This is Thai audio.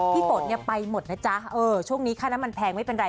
ฝนเนี่ยไปหมดนะจ๊ะช่วงนี้ค่าน้ำมันแพงไม่เป็นไร